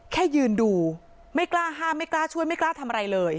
แค่ยืนดูไม่กล้าห้ามไม่กล้าช่วยไม่กล้าทำอะไรเลย